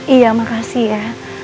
iya makasih ya